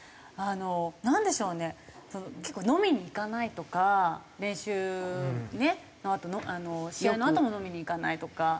なんでしょうね結構飲みに行かないとか練習のあと試合のあとも飲みに行かないとか。